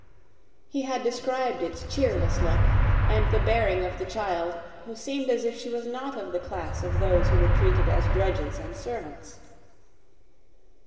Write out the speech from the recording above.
He had described its cheerless look, and the bearing of the child, who seemed as if she was not of the class of those who were treated as drudges and servants.